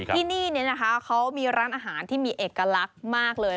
ที่นี่นะคะเขามีร้านอาหารที่มีเอกลักษณ์มากเลย